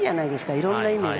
いろんな意味で。